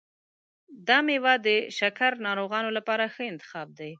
دا میوه د شکرې ناروغانو لپاره ښه انتخاب دی.